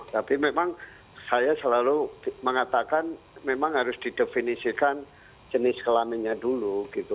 tapi memang saya selalu mengatakan memang harus didefinisikan jenis kelaminnya dulu gitu